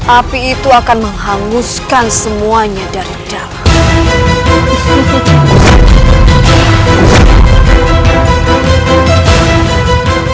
api itu akan menghanguskan semuanya dari dalam